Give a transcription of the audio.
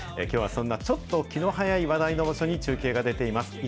きょうはそんなちょっと気の早い話題の場所に中継が出ています。